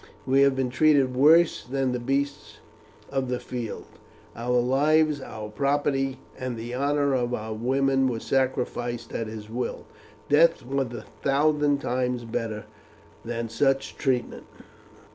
We have been treated worse than the beasts of the field; our lives, our properties, and the honour of our women were sacrificed at his will. Death was a thousand times better than such treatment.